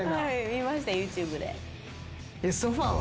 見ましたＹｏｕＴｕｂｅで。